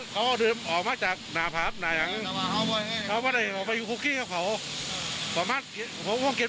หรอกขึ้นมาออกมาพร้อมกับพระออกมาใส่นิทธบาสเลยเหรอ